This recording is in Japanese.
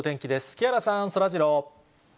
木原さん、そらジロー。